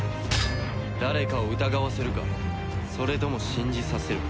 誰かを疑わせるかそれとも信じさせるか。